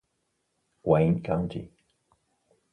Wayne County